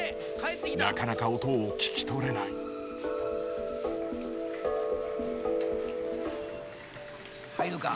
「なかなか音を聞き取れない」入るか？